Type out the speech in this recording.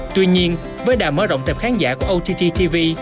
tuy nhiên với đà mơ rộng tệp khán giả của ott tv